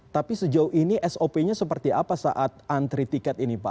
tapi sejauh ini sop nya seperti apa saat antri tiket ini pak